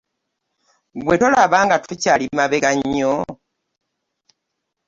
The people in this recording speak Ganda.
Ggwe tolaba nga tukyali mabega nnyo?